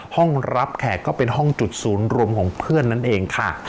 ห้องรับแขกก็เป็นห้องจุดศูนย์รวมของเพื่อนนั่นเองค่ะ